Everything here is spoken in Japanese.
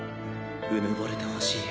うぬぼれてほしい。